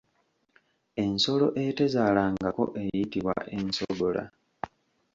Ensolo etezaalangako eyitibwa ensogola.